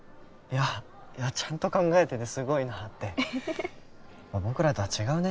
いやちゃんと考えててすごいなあってやっぱ僕らとは違うね